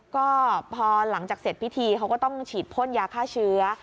ก็พอหลังจากเสร็จพิธีเขาก็ต้องฉีดพ่นยาฆ่าเชื้อ